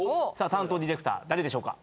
担当ディレクター誰でしょうか？